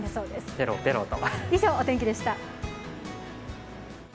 ペロペロと。